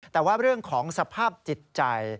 แต่ว่าเรื่องของสภาพจิตใจ